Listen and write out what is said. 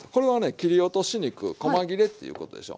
切り落とし肉こま切れっていうことでしょ。